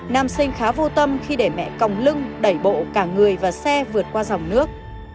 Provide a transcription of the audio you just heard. nam sinh khá vô tâm khi để mẹ còng lưng đẩy bộ cả người và xe vượt qua dòng nước